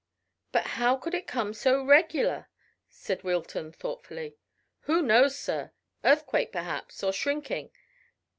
"But how could it come so regular?" said Wilton thoughtfully. "Who knows, sir? Earthquake perhaps, or shrinking.